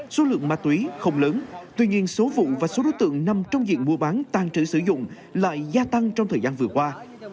số lượng ma túy không lớn tuy nhiên số vụ và số đối tượng nằm trong diện mua bán tàn trữ sử dụng lại gia tăng trong thời gian vừa qua